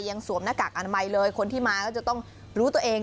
สวมหน้ากากอนามัยเลยคนที่มาก็จะต้องรู้ตัวเอง